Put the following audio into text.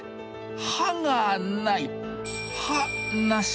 歯が無い歯無し。